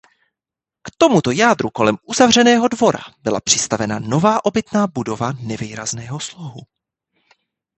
K tomuto jádru kolem uzavřeného dvora byla přistavěna nová obytná budova nevýrazného slohu.